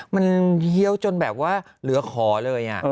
มันเฮี้ยวจนแบบว่าเหลือขอเลย